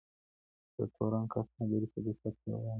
د تورن کس خبري په دقت سره واورئ.